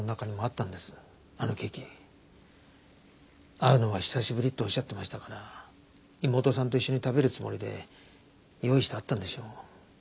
会うのが久しぶりっておっしゃってましたから妹さんと一緒に食べるつもりで用意してあったんでしょう。